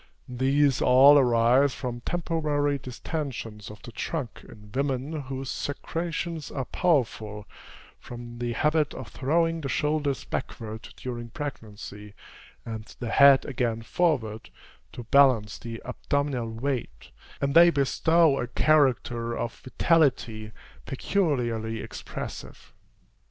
These all arise from temporary distensions of the trunk in women whose secretions are powerful, from the habit of throwing the shoulders backward during pregnancy, and the head again forward, to balance the abdominal weight; and they bestow a character of vitality peculiarly expressive.